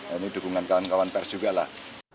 ini dukungan kawan kawan pers juga lah